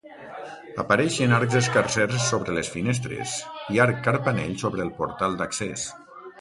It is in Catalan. Apareixen arcs escarsers sobre les finestres i arc carpanell sobre el portal d'accés.